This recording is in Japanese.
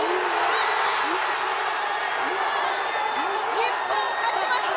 日本、勝ちました！